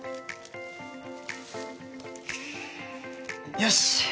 よし！